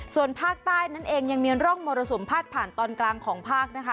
ส่วนภาคใต้นั่นเองยังมีร่องมรสุมพาดผ่านตอนกลางของภาคนะคะ